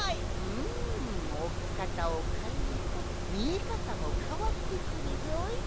うんおきかたをかえるとみえかたもかわってくるぞい。